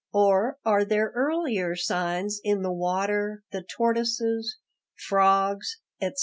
Or are there earlier signs in the water, the tortoises, frogs, etc.?"